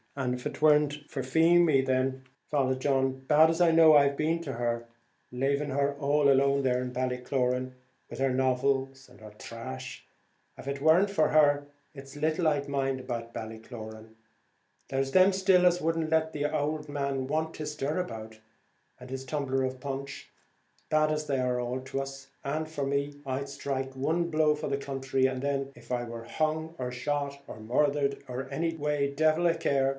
An' av it warn't for Feemy then, Father John, bad as I know I've been to her, laving her all alone there at Ballycloran, with her novels and her trash, av it warn't for her, it's little I'd mind about Ballycloran. There is them still as wouldn't let the ould man want his stirabout, and his tumbler of punch, bad as they all are to us; and for me, I'd sthrike one blow for the counthry, and then, if I war hung or shot, or murthered any way, devil a care.